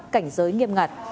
cảnh giới nghiêm ngặt